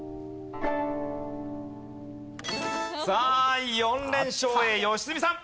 さあ４連勝へ良純さん！